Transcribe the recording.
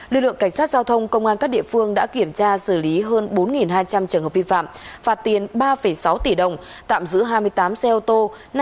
lực lượng cảnh sát giao thông công an các địa phương đã kiểm tra xử lý hơn bốn hai trăm linh trường hợp vi phạm phạt tiền ba sáu tỷ đồng tạm giữ hai mươi tám xe ô tô